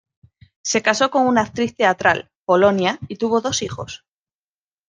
Se casó con una actriz teatral, Polonia, y tuvo dos hijos.